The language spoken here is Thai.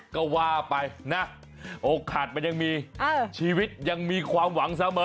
ก็ว่าไปนะโอกาสมันยังมีชีวิตยังมีความหวังเสมอ